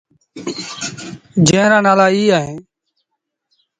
جݩهݩ رآ نآلآ ايٚ اوهيݩ۔